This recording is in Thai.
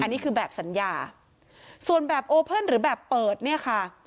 อันนี้คือแบบสัญญาส่วนแบบโอเพิลหรือแบบเปิดเนี่ยค่ะ